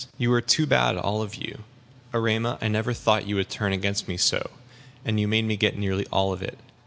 "You are too bad, all of you. Erema, I never thought you would turn against me so. And you made me get nearly all of it.